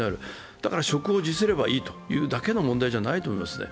だから職を辞すればいいというだけの問題じゃないと思いますね。